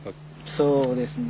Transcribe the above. そうですね。